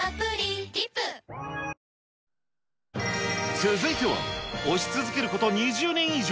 続いては、推し続けること２０年以上。